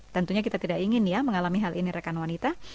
tentunya kita tidak ingin ya mengalami hal ini rekan wanita